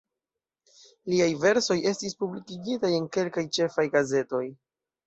Liaj versoj estis publikigitaj en kelkaj ĉefaj gazetoj.